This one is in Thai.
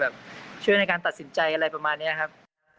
ช่วยในการตัดสินใจอะไรประมาณนี้ครับ